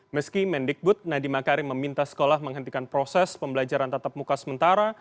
meski mendikbud nadiem makarim meminta sekolah menghentikan proses pembelajaran tatap muka sementara